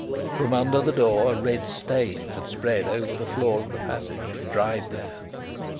From under the door a red stain had spread over the floor of the passage and dried there.